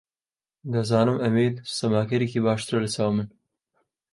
دەزانم ئەمیر سەماکەرێکی باشترە لەچاو من.